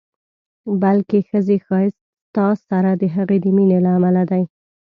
بلکې ښځې ښایست ستا سره د هغې د مینې له امله دی.